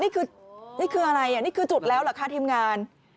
นี่คือนี่คืออะไรนี่คือจุดแล้วเหรอคะทีมงาน